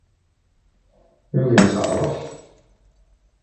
Yuba ixeṛṛef.